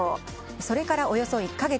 それから、およそ１か月。